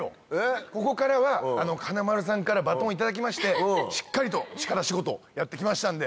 ここからは金丸さんからバトンを頂きましてしっかりと力仕事をやって来ましたんで。